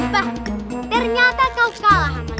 bah ternyata kau kalah amalia